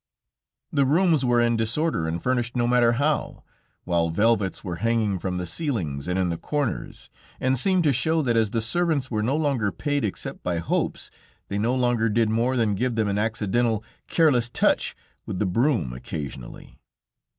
The rooms were in disorder and furnished no matter how, while velvets were hanging from the ceilings and in the corners, and seemed to show that as the servants were no longer paid except by hopes, they no longer did more than give them an accidental, careless touch with the broom occasionally.